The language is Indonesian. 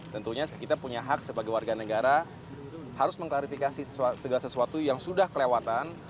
tentunya kita punya hak sebagai warga negara harus mengklarifikasi segala sesuatu yang sudah kelewatan